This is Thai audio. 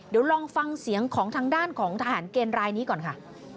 เดี๋ยวลองฟังเสียงของทางด้านของทหารเกณฑ์รายนี้ก่อนค่ะ